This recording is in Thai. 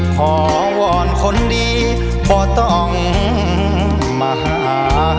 ขอวรคนดีบ่ต้องมา